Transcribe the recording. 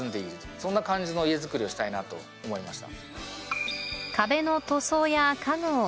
そんな感じの家造りをしたいなと思いました。